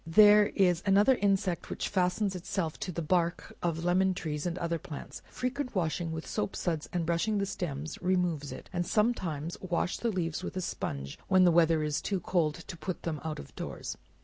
There is another insect that fastens itself to the bark of lemon trees, and other plants; frequent washing with soap suds and brushing the sterns, removes it, and some times wash the leaves with a sponge, when the weather is too cold to put them out of doors.